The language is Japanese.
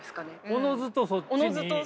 おのずとそっちですね。